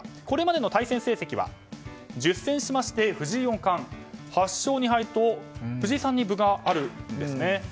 これまでの対戦成績は１０戦しまして藤井四冠８勝２敗と藤井さんに分があるんですね。